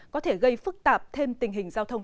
có thể gây phức tạp thêm tình hình giao thông